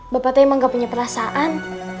bapak tuh emang gak punya perasaan